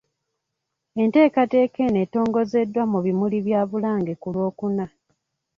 Enteekateeka eno etongozeddwa mu bimuli bya Bulange ku Lwokuna .